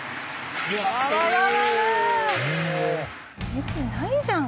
見てないじゃん。